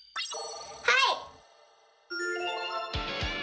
はい！